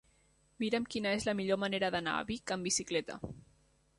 Mira'm quina és la millor manera d'anar a Vic amb bicicleta.